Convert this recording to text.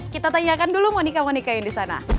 kita tanyakan dulu monika monika yang di sana